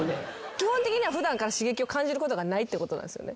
基本的には普段から刺激を感じることがないってことなんですよね？